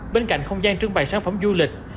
bên cạnh không gian trưng bày sản phẩm du lịch